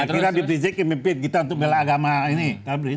akhirnya abib rizieq yang mimpin kita untuk bela agama ini